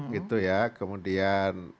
gitu ya kemudian